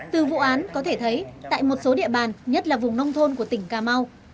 từ vụ án có thể thấy tại một số địa bàn nhất là vùng nông thôn của tỉnh cà mau